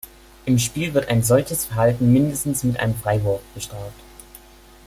Im Spiel wird ein solches Verhalten mindestens mit einem Freiwurf bestraft.